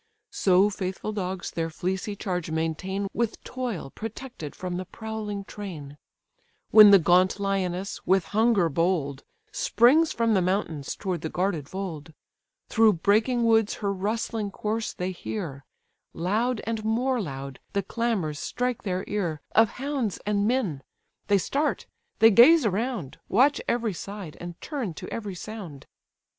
So faithful dogs their fleecy charge maintain, With toil protected from the prowling train; When the gaunt lioness, with hunger bold, Springs from the mountains toward the guarded fold: Through breaking woods her rustling course they hear; Loud, and more loud, the clamours strike their ear Of hounds and men: they start, they gaze around, Watch every side, and turn to every sound.